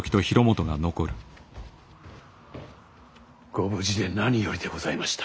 ご無事で何よりでございました。